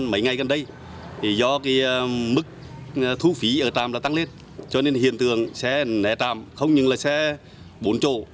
mấy ngày gần đây thì do cái mức thu phí ở tràm đã tăng lên cho nên hiện tượng xe né tràm không những là xe bốn chỗ